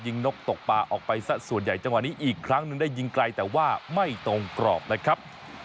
นกตกปลาออกไปสักส่วนใหญ่จังหวะนี้อีกครั้งหนึ่งได้ยิงไกลแต่ว่าไม่ตรงกรอบนะครับ